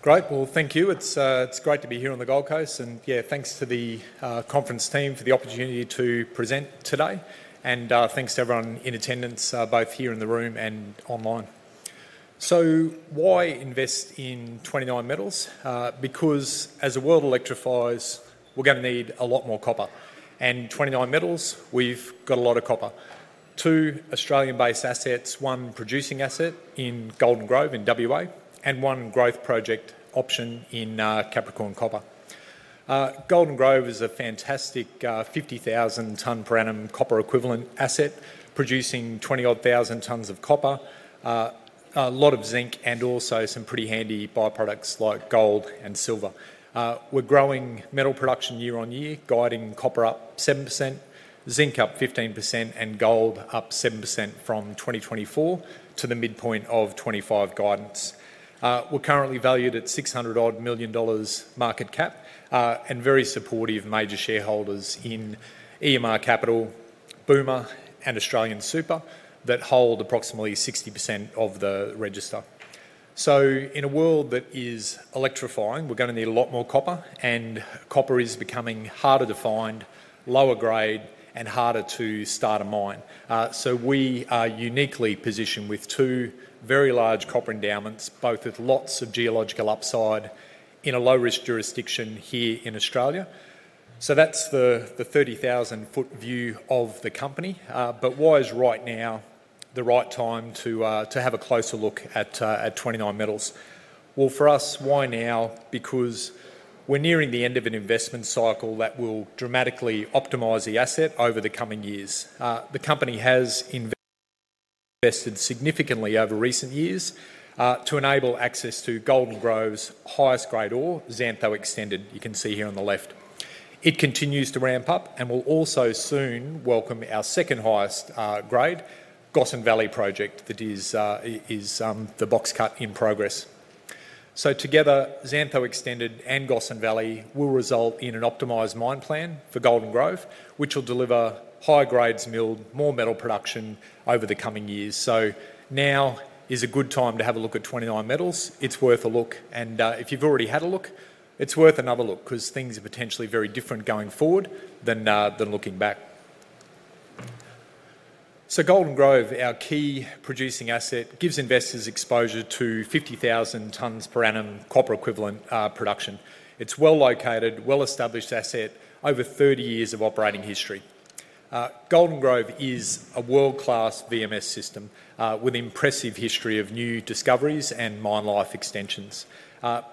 Great, thank you. It's great to be here on the Gold Coast. Thanks to the conference team for the opportunity to present today, and thanks to everyone in attendance, both here in the room and online. Why invest in 29Metals? As the world electrifies, we're going to need a lot more copper. At 29Metals, we've got a lot of copper. Two Australian-based assets, one producing asset in Golden Grove in Western Australia, and one growth project option in Capricorn Copper. Golden Grove is a fantastic 50,000-ton per annum copper equivalent asset, producing 20-odd thousand tons of copper, a lot of zinc, and also some pretty handy byproducts like gold and silver. We're growing metal production year on year, guiding copper up 7%, zinc up 15%, and gold up 7% from 2024 to the midpoint of 2025 guidance. We're currently valued at $600 million market cap and have very supportive major shareholders in EMR Capital, Boomer, and AustralianSuper that hold approximately 60% of the register. In a world that is electrifying, we're going to need a lot more copper, and copper is becoming harder to find, lower grade, and harder to start a mine. We are uniquely positioned with two very large copper endowments, both with lots of geological upside in a low-risk jurisdiction here in Australia. That's the 30,000-foot view of the company. Why is right now the right time to have a closer look at 29Metals? For us, why now? We're nearing the end of an investment cycle that will dramatically optimize the asset over the coming years. The company has invested significantly over recent years to enable access to Golden Grove's highest grade ore, Xanto Extended, you can see here on the left. It continues to ramp up and will also soon welcome our second highest grade, Gossen Valley Project, that is the box cut in progress. Together, Xanto Extended and Gossen Valley will result in an optimized mine plan for Golden Grove, which will deliver higher grades and more metal production over the coming years. Now is a good time to have a look at 29Metals. It's worth a look. If you've already had a look, it's worth another look because things are potentially very different going forward than looking back. Golden Grove, our key producing asset, gives investors exposure to 50,000 tons per annum copper equivalent production. It's a well-located, well-established asset, over 30 years of operating history. Golden Grove is a world-class VMS system with an impressive history of new discoveries and mine life extensions.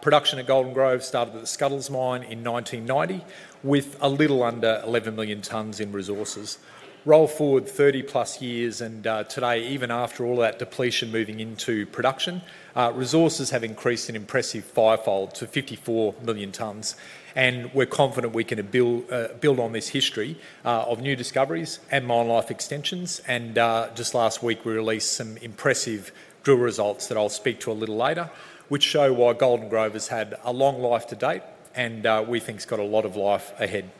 Production at Golden Grove started at the Scuddles Mine in 1990, with a little under 11 million tons in resources. Roll forward 30 plus years, and today, even after all of that depletion moving into production, resources have increased an impressive five-fold to 54 million tons. We're confident we can build on this history of new discoveries and mine life extensions. Just last week, we released some impressive drill results that I'll speak to a little later, which show why Golden Grove has had a long life to date, and we think it's got a lot of life ahead.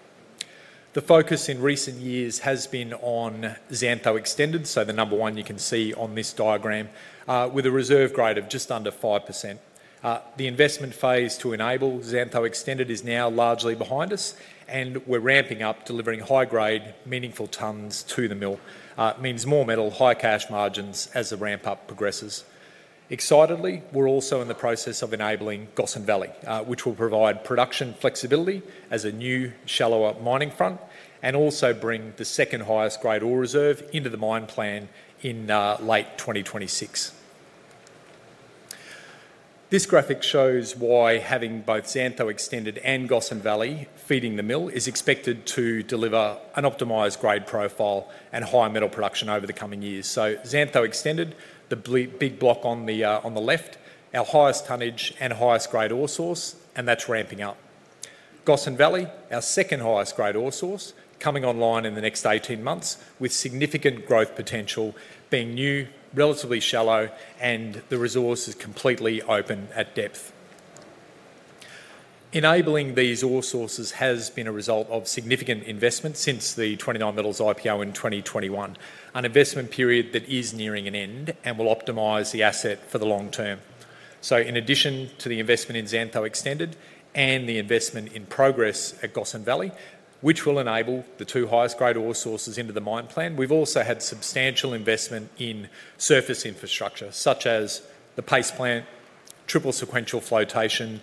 The focus in recent years has been on Xanto Extended, so the number one you can see on this diagram, with a reserve grade of just under 5%. The investment phase to enable Xanto Extended is now largely behind us, and we're ramping up, delivering high-grade, meaningful tons to the mill. It means more metal, high cash margins as the ramp-up progresses. Excitedly, we're also in the process of enabling Gossen Valley, which will provide production flexibility as a new, shallower mining front, and also bring the second highest grade ore reserve into the mine plan in late 2026. This graphic shows why having both Xanto Extended and Gossen Valley feeding the mill is expected to deliver an optimized grade profile and high metal production over the coming years. Xanto Extended, the big block on the left, our highest tonnage and highest grade ore source, and that's ramping up. Gossen Valley, our second highest grade ore source, coming online in the next 18 months, with significant growth potential, being new, relatively shallow, and the resource is completely open at depth. Enabling these ore sources has been a result of significant investment since the 29Metals IPO in 2021, an investment period that is nearing an end and will optimize the asset for the long term. In addition to the investment in Xanto Extended and the investment in progress at Gossen Valley, which will enable the two highest grade ore sources into the mine plan, we've also had substantial investment in surface infrastructure, such as the paste plant, triple sequential flotation,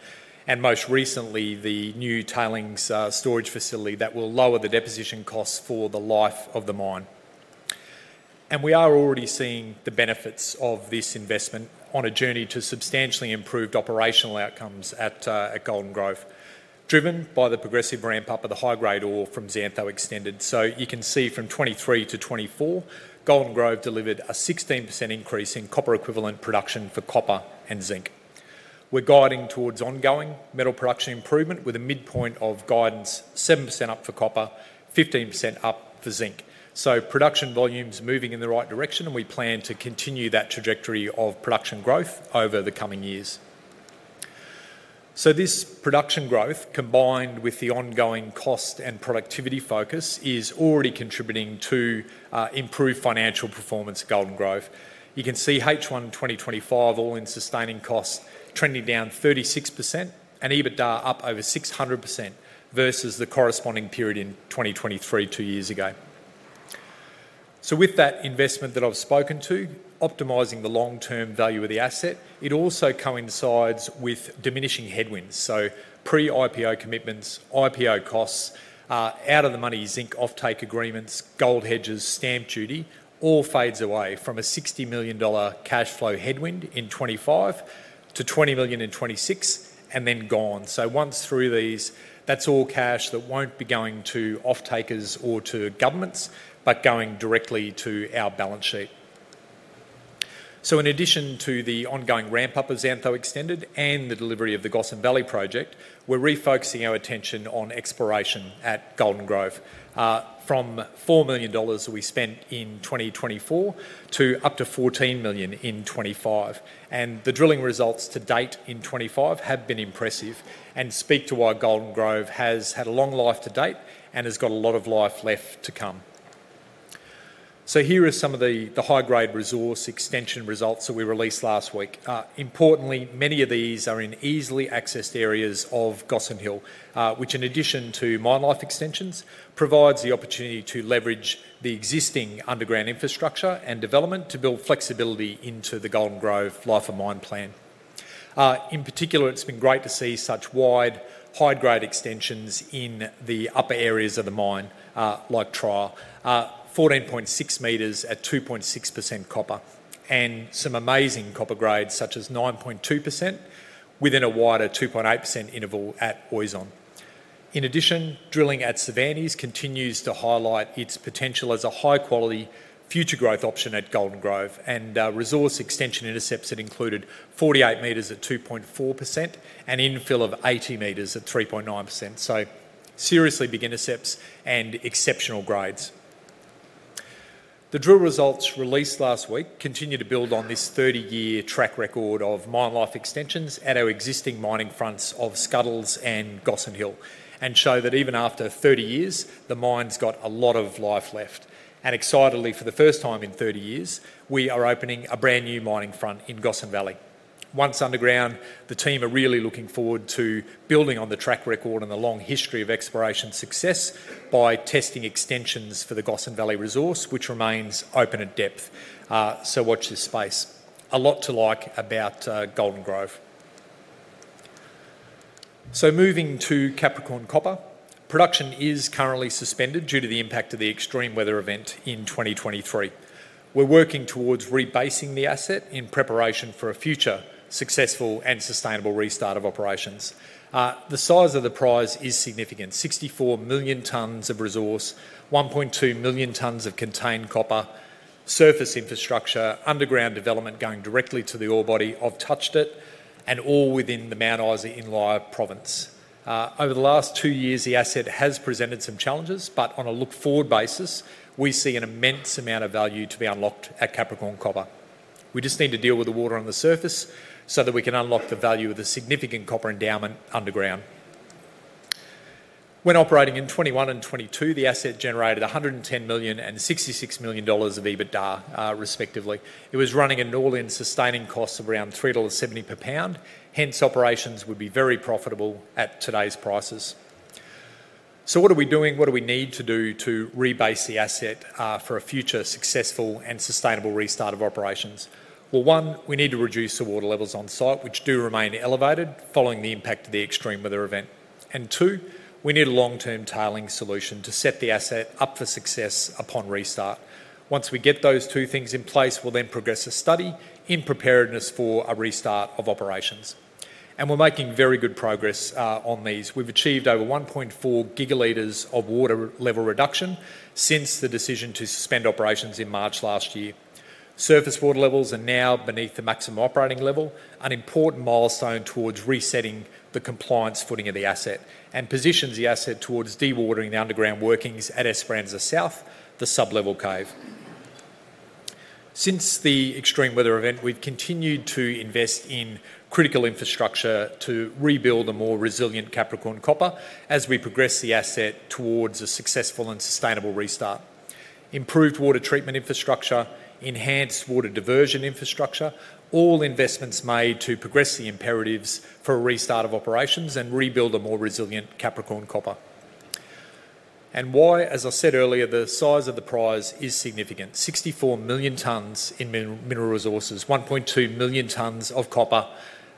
and most recently the new tailings storage facility that will lower the deposition costs for the life of the mine. We are already seeing the benefits of this investment on a journey to substantially improved operational outcomes at Golden Grove, driven by the progressive ramp-up of the high-grade ore from Xanto Extended. You can see from 2023 to 2024, Golden Grove delivered a 16% increase in copper equivalent production for copper and zinc. We're guiding towards ongoing metal production improvement with a midpoint of guidance 7% up for copper, 15% up for zinc. Production volumes are moving in the right direction, and we plan to continue that trajectory of production growth over the coming years. This production growth, combined with the ongoing cost and productivity focus, is already contributing to improved financial performance at Golden Grove. You can see H1 2025, all-in sustaining costs trending down 36% and EBITDA up over 600% versus the corresponding period in 2023, two years ago. With that investment that I've spoken to, optimizing the long-term value of the asset, it also coincides with diminishing headwinds. Pre-IPO commitments, IPO costs, out-of-the-money zinc offtake agreements, gold hedges, stamp duty, all fade away from a $60 million cash flow headwind in 2025 to $20 million in 2026, and then gone. Once through these, that's all cash that won't be going to offtakers or to governments, but going directly to our balance sheet. In addition to the ongoing ramp-up of Xanto Extended and the delivery of the Gossen Valley project, we're refocusing our attention on exploration at Golden Grove, from $4 million that we spent in 2024 to up to $14 million in 2025. The drilling results to date in 2025 have been impressive and speak to why Golden Grove has had a long life to date and has got a lot of life left to come. Here are some of the high-grade resource extension results that we released last week. Importantly, many of these are in easily accessed areas of Gossen Hill, which in addition to mine life extensions, provides the opportunity to leverage the existing underground infrastructure and development to build flexibility into the Golden Grove life of mine plan. In particular, it's been great to see such wide high-grade extensions in the upper areas of the mine, like Trial, 14.6 meters at 2.6% copper, and some amazing copper grades such as 9.2% within a wider 2.8% interval at Oison. In addition, drilling at Savanes continues to highlight its potential as a high-quality future growth option at Golden Grove, and resource extension intercepts that included 48 meters at 2.4% and infill of 80 meters at 3.9%. Seriously big intercepts and exceptional grades. The drill results released last week continue to build on this 30-year track record of mine life extensions at our existing mining fronts of Scuddles and Gossen Hill, and show that even after 30 years, the mine's got a lot of life left. Excitedly, for the first time in 30 years, we are opening a brand new mining front in Gossen Valley. Once underground, the team are really looking forward to building on the track record and the long history of exploration success by testing extensions for the Gossen Valley resource, which remains open at depth. Watch this space. A lot to like about Golden Grove. Moving to Capricorn Copper, production is currently suspended due to the impact of the extreme weather event in 2023. We're working towards rebasing the asset in preparation for a future successful and sustainable restart of operations. The size of the prize is significant: 64 million tons of resource, 1.2 million tons of contained copper, surface infrastructure, underground development going directly to the ore body of Touchdit, and all within the Mount Isa Inlier province. Over the last two years, the asset has presented some challenges, but on a look-forward basis, we see an immense amount of value to be unlocked at Capricorn Copper. We just need to deal with the water on the surface so that we can unlock the value of the significant copper endowment underground. When operating in 2021 and 2022, the asset generated $110 million and $66 million of EBITDA, respectively. It was running an all-in sustaining cost of around $3.70 per pound, hence operations would be very profitable at today's prices. What are we doing? What do we need to do to rebase the asset for a future successful and sustainable restart of operations? First, we need to reduce the water levels on site, which do remain elevated following the impact of the extreme weather event. Second, we need a long-term tailings solution to set the asset up for success upon restart. Once we get those two things in place, we'll then progress a study in preparedness for a restart of operations. We're making very good progress on these. We've achieved over 1.4 gigaliters of water level reduction since the decision to suspend operations in March last year. Surface water levels are now beneath the maximum operating level, an important milestone towards resetting the compliance footing of the asset and positions the asset towards dewatering the underground workings at Esperanza South, the sub-level cave. Since the extreme weather event, we've continued to invest in critical infrastructure to rebuild a more resilient Capricorn Copper as we progress the asset towards a successful and sustainable restart. Improved water treatment infrastructure, enhanced water diversion infrastructure, all investments made to progress the imperatives for a restart of operations and rebuild a more resilient Capricorn Copper. As I said earlier, the size of the prize is significant. 64 million tons in mineral resources, 1.2 million tons of copper,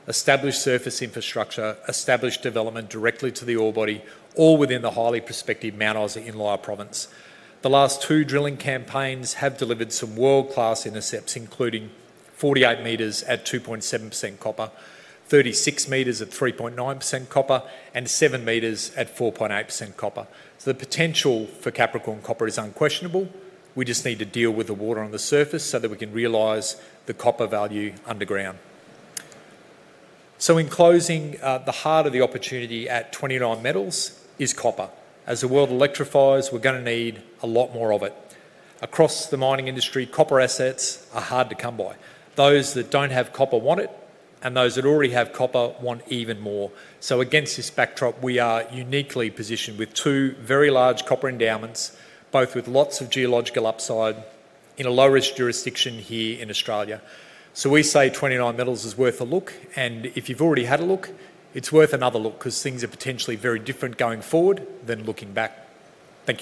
established surface infrastructure, established development directly to the ore body, all within the highly prospective Mount Isa Inlier province. The last two drilling campaigns have delivered some world-class intercepts, including 48 meters at 2.7% copper, 36 meters at 3.9% copper, and 7 meters at 4.8% copper. The potential for Capricorn Copper is unquestionable. We just need to deal with the water on the surface so that we can realize the copper value underground. In closing, the heart of the opportunity at 29Metals Limited is copper. As the world electrifies, we're going to need a lot more of it. Across the mining industry, copper assets are hard to come by. Those that don't have copper want it, and those that already have copper want even more. Against this backdrop, we are uniquely positioned with two very large copper endowments, both with lots of geological upside in a low-risk jurisdiction here in Australia. We say 29Metals Limited is worth a look, and if you've already had a look, it's worth another look because things are potentially very different going forward than looking back. Thank you.